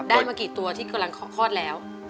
มากี่ตัวที่กำลังคลอดแล้ว